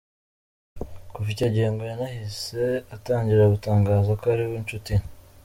Kuva icyo gihe ngo yanahise atangira gutangaza ko ariwe nshuti ye.